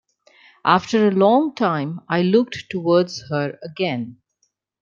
After a long time, I looked towards her again.